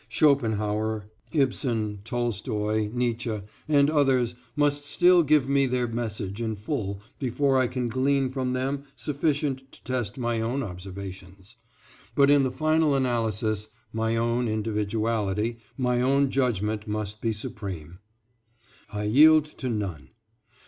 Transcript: Schopenhauer, Ibsen, Tolstoy, Nietzsche and others must still give me their message in full before I can glean from them sufficient to test my own observations, but in the final analysis my own individuality, by own judgment must be supreme, I yield to none.